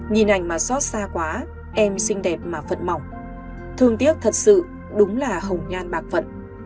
nhìn ảnh mà xót xa quá em xinh đẹp mà phật mỏng thương tiếc thật sự đúng là hồng nhan bạc phận